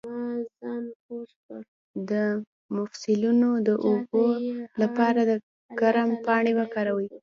د مفصلونو د اوبو لپاره د کرم پاڼې وکاروئ